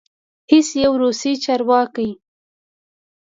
هیڅ یو روسي چارواکی